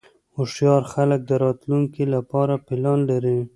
هوښیار خلک د راتلونکې لپاره پلان لري.